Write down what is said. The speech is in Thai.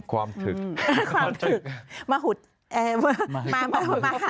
ความถึก